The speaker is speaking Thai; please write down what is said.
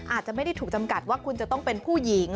อาจจะไม่ได้ถูกจำกัดว่าคุณจะต้องเป็นผู้หญิง